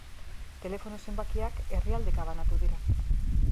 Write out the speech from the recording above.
Telefono zenbakiak herrialdeka banatu dira.